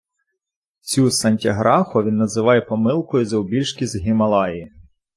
Цю Сатьяграху він називає "помилкою завбільшки з Гімалаї".